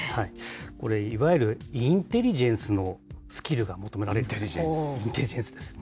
これ、いわゆるインテリジェンスのスキルが求められていると思います。